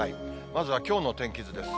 まずはきょうの天気図です。